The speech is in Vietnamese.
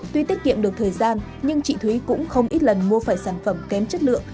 tuy tiết kiệm được thời gian nhưng chị thúy cũng không ít lần mua phải sản phẩm kém chất lượng